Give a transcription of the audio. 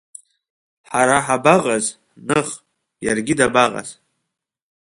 Ҳара ҳабаҟаз, ных, иаргьы дабаҟаз!